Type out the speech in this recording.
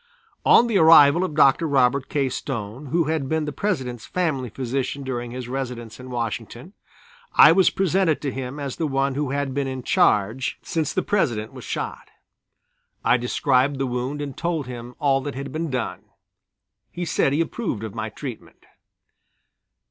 On the arrival of Dr. Robert K. Stone, who had been the President's family physician during his residence in Washington, I was presented to him as the one who had been in charge since the President was shot. I described the wound and told him all that had been done. He said he approved of my treatment.